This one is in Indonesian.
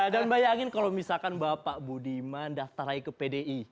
dan bayangin kalau misalkan bapak budiman daftar lagi ke pdi